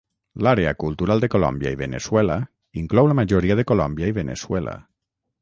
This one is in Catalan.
L'àrea cultural de Colòmbia i Veneçuela inclou la majoria de Colòmbia i Veneçuela.